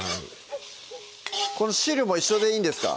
この汁も一緒でいいんですか？